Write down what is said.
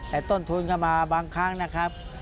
แต่ต้นทุนเข้ามาบางครั้งนะครับ